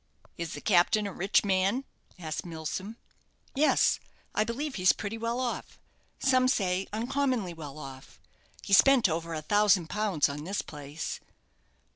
"Is the captain a rich man?" asked Milsom. "Yes; I believe he's pretty well off some say uncommonly well off. He spent over a thousand pounds on this place."